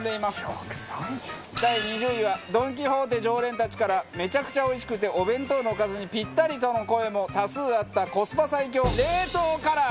第２０位はドン・キホーテ常連たちから「めちゃくちゃおいしくてお弁当のおかずにピッタリ！」との声も多数あったコスパ最強冷凍唐揚げ。